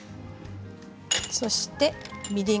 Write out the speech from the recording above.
そして、みりん。